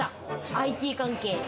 ＩＴ関係。